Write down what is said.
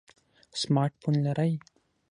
سمارټ فون لرئ؟